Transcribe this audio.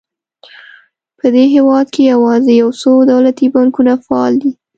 په دې هېواد کې یوازې یو څو دولتي بانکونه فعال دي.